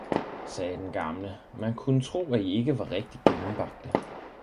sagde den gamle, man kunne tro at I var ikke rigtig gennembagte!